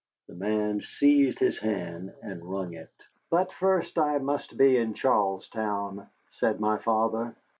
The man seized his hand and wrung it. "But first I must be in Charlestown," said my father.